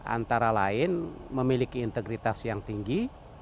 antara lain memiliki integritas yang tinggi